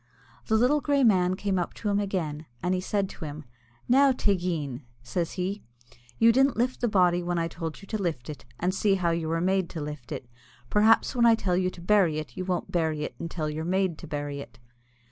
The little grey man came up to him again, and said he to him, "Now, Teig_een_," says he, "you didn't lift the body when I told you to lift it, and see how you were made to lift it; perhaps when I tell you to bury it you won't bury it until you're made to bury it!"